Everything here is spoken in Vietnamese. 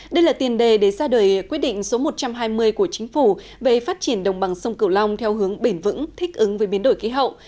đây là tiền đề để ra đời quyết định số một trăm hai mươi của chính phủ về phát triển đồng bằng sông cửu long theo hướng bền vững thích ứng với biến đổi khí hậu